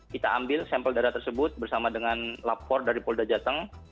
kita ambil sampel darah tersebut bersama dengan lapor dari polda jateng